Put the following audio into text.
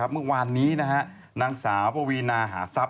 เมื่อวานนี้นางสาวปวีนาหาทรัพย